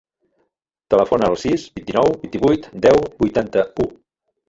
Telefona al sis, vint-i-nou, vint-i-vuit, deu, vuitanta-u.